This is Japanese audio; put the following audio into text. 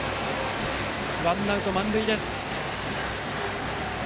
ワンアウト満塁です。